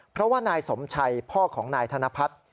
เพราะว่านายสมชัยพ่อของนายธนพัฒน์